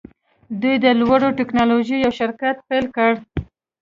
دوی د لوړې ټیکنالوژۍ یو شرکت پیل کړ